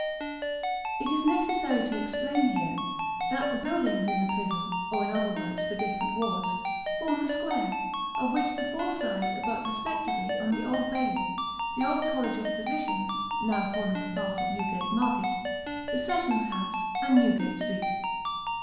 It is necessary to explain here, that the buildings in the prison, or in other words the different wards form a square, of which the four sides abut respectively on the Old Bailey, the old College of Physicians (now forming a part of Newgate Market), the Sessions House, and Newgate Street.